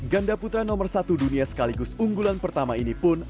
ganda putra nomor satu dunia sekaligus unggulan pertama ini pun